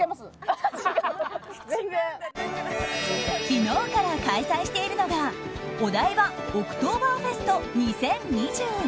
昨日から開催しているのがお台場オクトーバーフェスト２０２２。